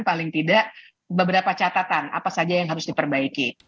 paling tidak beberapa catatan apa saja yang harus diperbaiki